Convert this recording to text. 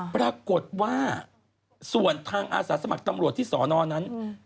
ปรากฏว่าส่วนทางอาสาสมัครตำรวจที่สอนอนั้น